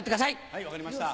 はい分かりました。